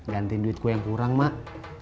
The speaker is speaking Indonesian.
gantiin duit gua yang kurang mak